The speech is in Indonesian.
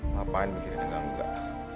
ngapain mikirin dengan enggak